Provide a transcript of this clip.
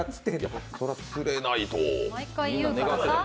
そら、釣れないと。